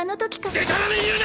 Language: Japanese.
でたらめ言うな！！